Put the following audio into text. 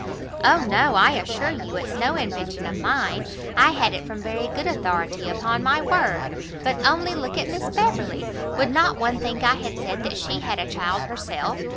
"O no, I assure you, it's no invention of mine; I had it from very good authority upon my word. But only look at Miss Beverley! would not one think I had said that she had a child herself?